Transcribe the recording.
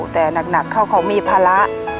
แต่หนักเขาเขามีภาระ